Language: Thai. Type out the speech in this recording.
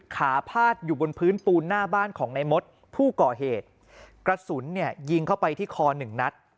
พาพาดอยู่บนพื้นปูนหน้าบ้านของในมดผู้ก่อเหตุกระสุนเนี่ยยิงเข้าไปที่คอหนึ่งนัด